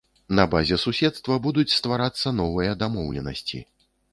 На базе суседства будуць стварацца новыя дамоўленасці.